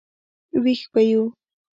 وېښ به یو.